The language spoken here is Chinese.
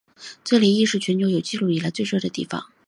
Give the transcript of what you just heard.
这里亦是全球有纪录以来最热的地方。